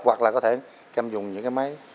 hoặc là có thể các em dùng những cái máy